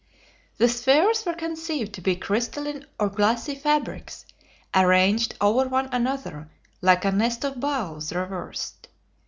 The spheres were conceived to be crystalline or glassy fabrics arranged over one another like a nest of bowls reversed.